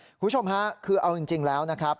คุณผู้ชมฮะคือเอาจริงแล้วนะครับ